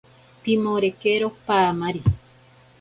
Pimorekero paamari.